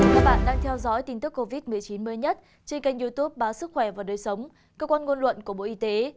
các bạn đang theo dõi tin tức covid một mươi chín mới nhất trên kênh youtube báo sức khỏe và đời sống cơ quan ngôn luận của bộ y tế